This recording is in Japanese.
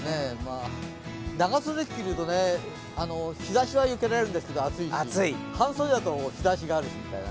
長袖を着ると日ざしはよけられるんですけれども暑いし、半袖だと日ざしがあるしみたいなね。